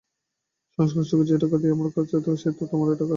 সংসারখরচের যে-টাকা আমার কাছে থাকে, সে তো তোমারই টাকা।